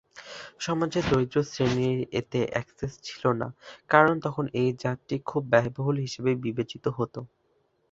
সমাজের দরিদ্র শ্রেণীর এতে অ্যাক্সেস ছিল না কারণ তখন এই জাতটি খুব ব্যয়বহুল হিসাবে বিবেচিত হত।